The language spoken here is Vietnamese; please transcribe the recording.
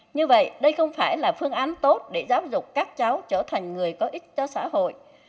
như vậy đây không phải là phương án tốt để giáo dục các cháu trở thành người có ích cho xã hội